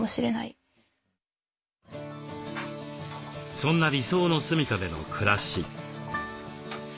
そんな理想の住みかでの暮らし。